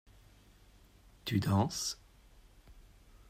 Tu danses ?